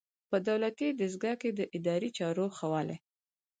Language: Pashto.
په دولتي دستګاه کې د اداري چارو ښه والی.